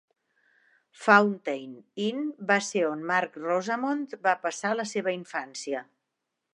Fountain Inn va ser on Marc Rosamond va passar la seva infància.